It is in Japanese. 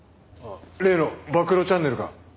例の暴露チャンネルか。